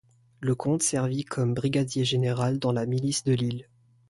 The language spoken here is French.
Le comte servit comme brigadier-général dans la milice de l'île.